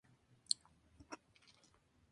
Es hija de Charles William y Anna May Priest-Reid.